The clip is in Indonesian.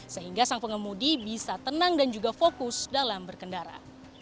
sehingga sang pengemudi bisa tenang dan juga fokus dalam berkendara